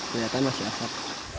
ternyata masih asap